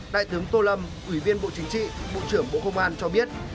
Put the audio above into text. đại tướng tô lâm ủy viên bộ chính trị bộ trưởng bộ công an cho biết